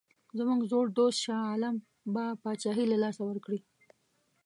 زموږ زوړ دوست شاه عالم به پاچهي له لاسه ورکړي.